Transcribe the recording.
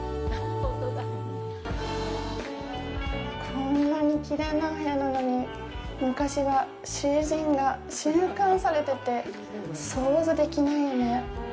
こんなにきれいなお部屋なのに昔は囚人が収監されてて、想像できないよね。